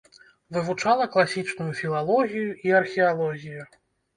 Вывучала класічную філалогію і археалогію.